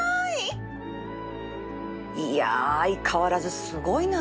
いや相変わらずすごいな